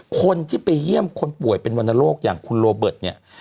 คนที่ไปเยี่ยมคนป่วยเป็นวรรณโรคอย่างคุณโรเบิร์ตเนี่ย